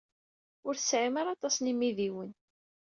Ur tesɛim ara aṭas n yimidiwen.